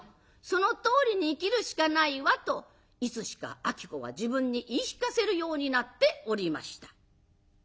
そのとおりに生きるしかないわ」といつしか子は自分に言い聞かせるようになっておりました。